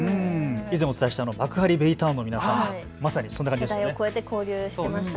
以前、お伝えした幕張ベイタウンの方、まさにそうでしたね。